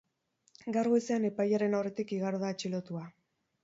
Gaur goizean epailearen aurretik igaro da atxilotua.